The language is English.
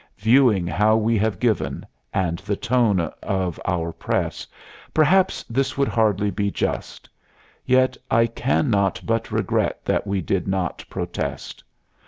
Viewing how we have given, and the tone of our press, perhaps this would hardly be just. Yet I can not but regret that we did not protest.